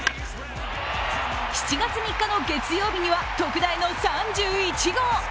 ７月３日の月曜日には特大の３１号！